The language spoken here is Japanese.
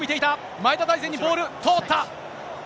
前田大然にボール、通った。